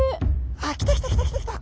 あっ来た来た来た来た来た。